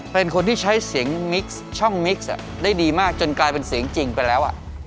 เป็นคนที่ใช้เสียงมิกซ์ช่องมิกซ์ได้ดีมากจนกลายเป็นเสียงจริงไปแล้ว